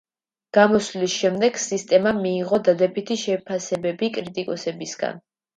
გამოსვლის შემდეგ სისტემამ მიიღო დადებითი შეფასებები კრიტიკოსებისგან.